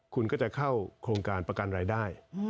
คุณก็จะเข้าโครงการประกันรายได้